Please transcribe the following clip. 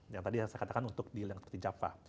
yang tadi saya katakan untuk deal yang seperti java